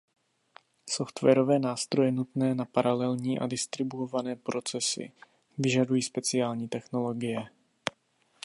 Softwarové nástroje nutné na paralelní a distribuované procesy vyžadují speciální technologie.